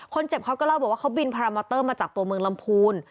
คนเจ็บเขาก็เล่าบอกว่าเขาบินพารามอเตอร์มาจากตัวเมืองลำพูน